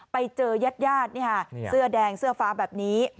ไปเจอยาดเสื้อแดงเสื้อฟ้าแบบนี้